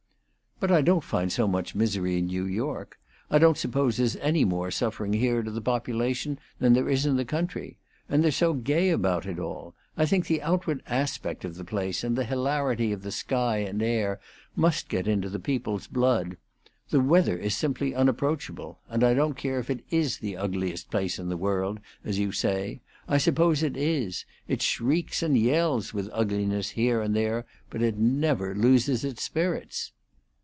"But I don't find so much misery in New York. I don't suppose there's any more suffering here to the population than there is in the country. And they're so gay about it all. I think the outward aspect of the place and the hilarity of the sky and air must get into the people's blood. The weather is simply unapproachable; and I don't care if it is the ugliest place in the world, as you say. I suppose it is. It shrieks and yells with ugliness here and there but it never loses its spirits.